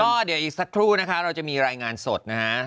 ก็เดี๋ยวอีกสักครู่นะคะเราจะมีรายงานสดนะฮะ